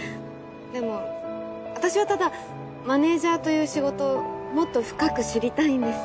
でも私はただマネージャーという仕事をもっと深く知りたいんです。